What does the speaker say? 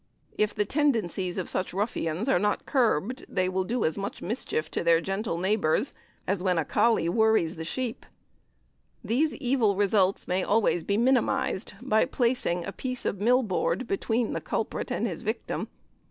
If the tendencies of such ruffians are not curbed, they will do as much mischief to their gentle neighbours as when a "collie" worries the sheep. These evil results may always be minimized by placing a piece of millboard between the culprit and his victim.